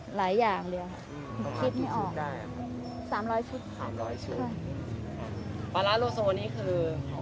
หลายอย่างเลยค่ะคิดไม่ออกสามร้อยชุดสามร้อยชุดค่ะค่ะปาราโลโซนี่คือ